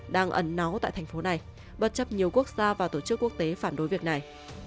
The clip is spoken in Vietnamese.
đang ẩn náu tại thành phố này bất chấp nhiều quốc gia và tổ chức quốc tế phản đối việc này